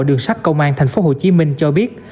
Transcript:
đường sát công an thành phố hồ chí minh cho biết